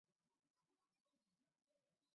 线粒体嵴的形成增大了线粒体内膜的表面积。